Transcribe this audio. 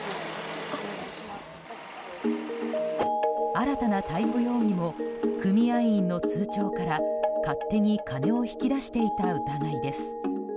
新たな逮捕容疑も組合員の通帳から勝手に金を引き出していた疑いです。